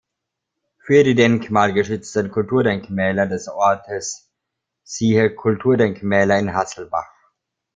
Für die denkmalgeschützten Kulturdenkmäler des Ortes siehe Kulturdenkmäler in Hasselbach.